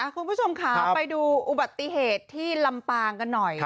คุณผู้ชมค่ะไปดูอุบัติเหตุที่ลำปางกันหน่อย